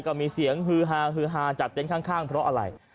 ก็มีเสียงหื้อฮาจับเต็นท์ข้างเพราะอะไร